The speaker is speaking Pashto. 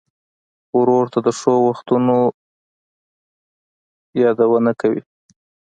ورور ته د ښو وختونو یادونه کوې.